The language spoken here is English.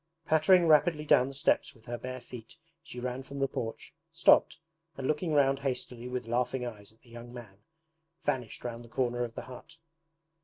Pattering rapidly down the steps with her bare feet she ran from the porch, stopped, and looking round hastily with laughing eyes at the young man, vanished round the corner of the hut.